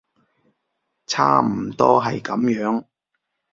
差唔多係噉樣